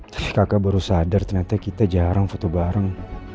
terus kakak baru sadar ternyata kita jarang foto bareng